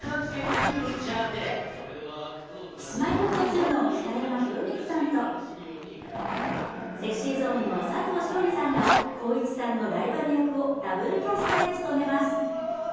Ｋｉｓ−Ｍｙ−Ｆｔ２の北山宏光さんとＳｅｘｙＺｏｎｅの佐藤勝利さんが光一さんのライバル役をダブルキャストで務めます。